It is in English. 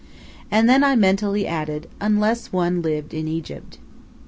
And then mentally I added, "unless one lived in Egypt."